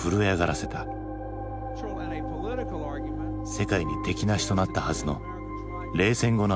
世界に敵なしとなったはずの冷戦後のアメリカ。